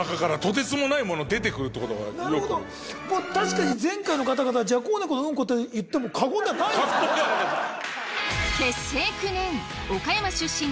なるほど確かに前回の方々ジャコウネコのウンコと言っても過言ではないですからね。